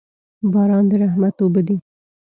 باران د رحمت اوبه دي